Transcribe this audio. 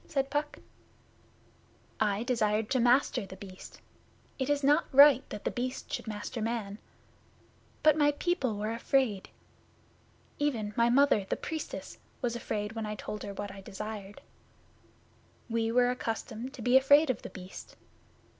said Puck. 'I desired to master The Beast. It is not right that The Beast should master man. But my people were afraid. Even, my Mother, the Priestess, was afraid when I told her what I desired. We were accustomed to be afraid of The Beast.